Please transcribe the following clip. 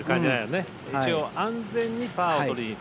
一応安全にパーを取りにいく。